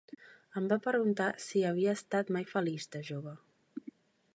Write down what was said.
Em va preguntar si havia estat mai feliç, de jove.